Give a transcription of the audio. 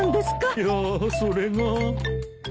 いやそれが。